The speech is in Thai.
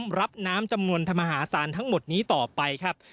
รับน้ำจำนวนธรรมหาศาลทั้งหมดนี้ต่อไปครับ